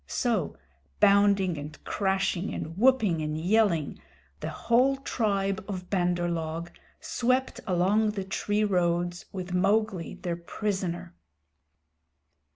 So, bounding and crashing and whooping and yelling, the whole tribe of Bandar log swept along the tree roads with Mowgli their prisoner.